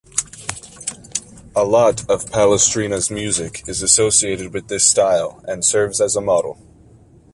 A lot of Palestrina’s music is associated with this style and serves as a model.